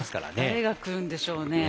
誰が来るんでしょうね。